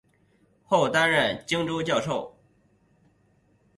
后担任琼州教授。